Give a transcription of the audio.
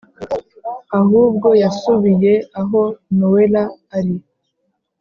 ahubwo yasubiye aho nowela ari